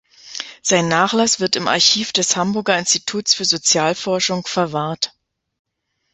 Sein Nachlass wird im Archiv des Hamburger Instituts für Sozialforschung verwahrt.